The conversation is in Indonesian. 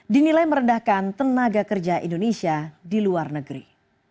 dinilai merendahkan tenaga kerja indonesia di luar negeri